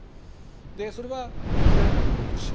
それはウクライナにもいるし